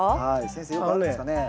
先生よくあるんですかね。